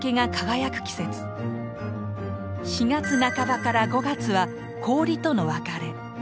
４月半ばから５月は「氷との別れ」。